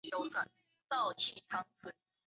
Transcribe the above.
还没吃饭